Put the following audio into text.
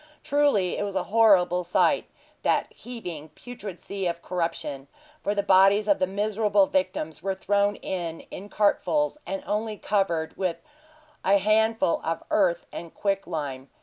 Truly it was a horrible sight, that heaving, putrid sea of corruption; for the bodies of the miserable victims were thrown in in cartfuls, and only covered with a handful of earth and quicklime.